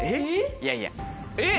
いやいや。えっ？